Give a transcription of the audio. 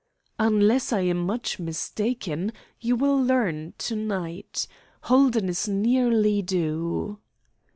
"Unless I am much mistaken, you will learn to night. Holden is nearly due."